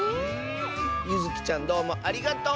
ゆずきちゃんどうもありがとう！